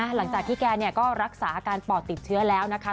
หลังจากที่แกก็รักษาอาการปอดติดเชื้อแล้วนะคะ